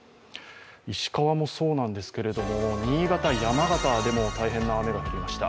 石川もそうなんですけれども、新潟、山形でも大変な雨が降りました。